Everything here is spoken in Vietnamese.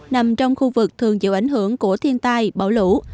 nằm trong khu vực thường chịu ảnh hưởng của thiên tai bão lũ